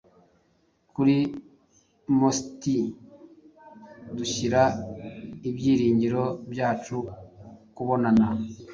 Kuri Mositi dushyira ibyiringiro byacu, Kubonana